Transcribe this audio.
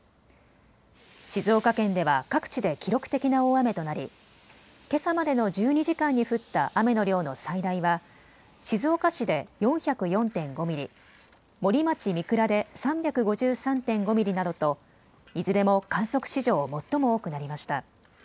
静岡県では各地で記録的な大雨となり、けさまでの１２時間に降った雨の量の最大は静岡市で４０４．５ミリ、森町三倉で３５３．５ミリなどといずれも観測史上、最も多くなりました。